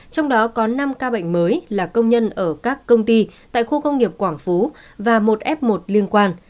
trong đó có năm ca bệnh mới là công nhân ở các công ty tại khu công nghiệp quảng phú và một f một liên quan